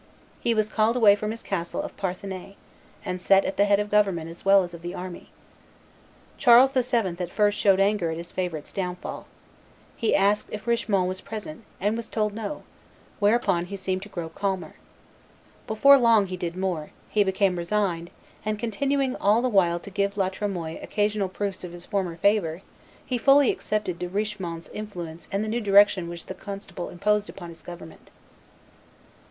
He was called away from his castle of Parthenay, and set at the head of the government as well as of the army. Charles VII. at first showed anger at his favorite's downfall. He asked if Richemont was present, and was told no: where upon he seemed to grow calmer. Before long he did more; he became resigned, and, continuing all the while to give La Tremoille occasional proofs of his former favor, he fully accepted De Richemont's influence and the new direction which the constable imposed upon his government.